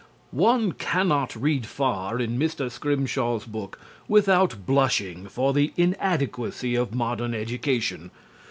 One cannot read far in Mr. Scrimshaw's book without blushing for the inadequacy of modern education.